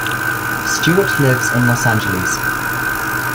Stewart lives in Los Angeles.